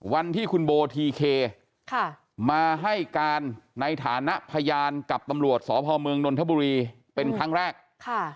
วันที่คุณโบทีเคมาให้การในฐานะพยานกับตำรวจสพเมืองนนทบุรีเป็นครั้งแรกค่ะ